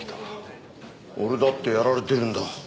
俺だってやられてるんだ。